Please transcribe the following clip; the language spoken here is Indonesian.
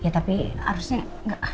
ya tapi harusnya nggak